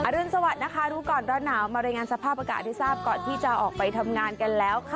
รุนสวัสดิ์นะคะรู้ก่อนร้อนหนาวมารายงานสภาพอากาศให้ทราบก่อนที่จะออกไปทำงานกันแล้วค่ะ